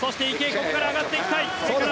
ここから上がっていきたい。